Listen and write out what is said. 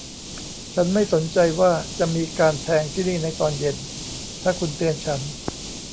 ฉันไม่สนใจว่าจะมีการแทงที่นี่ในตอนเย็นถ้าคุณเตือนฉัน